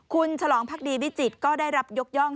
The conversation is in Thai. คุณฉลองพักดีวิจิตรก็ได้รับยกย่อง